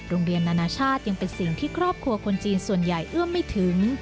นานาชาติยังเป็นสิ่งที่ครอบครัวคนจีนส่วนใหญ่เอื้อมไม่ถึง